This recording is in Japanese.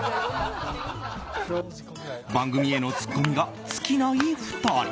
番組へのツッコミが尽きない２人。